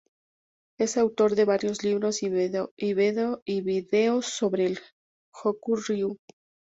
Es autor de varios libros y videos sobre el Goju Ryu.